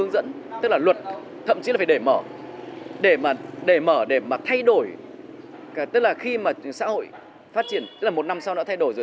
để mở để thay đổi tức là khi mà xã hội phát triển tức là một năm sau đã thay đổi rồi